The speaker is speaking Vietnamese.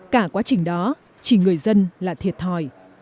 cả quá trình đó chỉ người dân là thiệt thòi